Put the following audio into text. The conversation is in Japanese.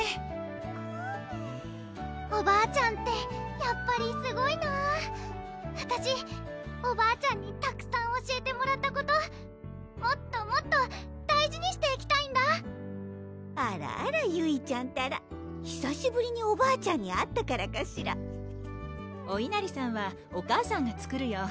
コメおばあちゃんってやっぱりすごいなぁあたしおばあちゃんにたくさん教えてもらったこともっともっと大事にしていきたいんだあらあらゆいちゃんったらひさしぶりにおばあちゃんに会ったからかしらおいなりさんはお母さんが作るよ